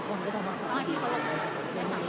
ตอนนี้ก็ต้องพักตัวเนี้ยตอนนี้ก็ต้องพักตัวเนี้ย